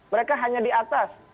mereka hanya di atas